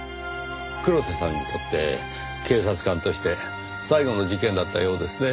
黒瀬さんにとって警察官として最後の事件だったようですねぇ。